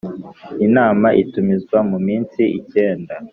inama itumizwa mu minsi Icyenda